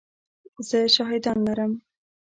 زه شاهدان لرم !